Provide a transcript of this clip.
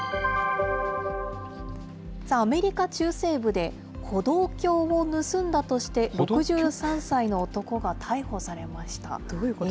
アメリカ中西部で、歩道橋を盗んだとして、６３歳の男が逮捕されました。